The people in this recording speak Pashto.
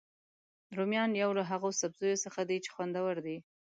رومیان یو له هغوسبزیو څخه دي چې خوندور دي